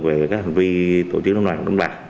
về các hành vi tổ chức đánh bạc đánh bạc